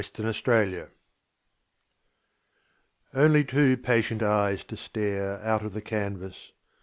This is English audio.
FADED PICTURES Only two patient eyes to stare Out of the canvas.